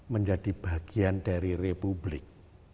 menjadi bagian dari republik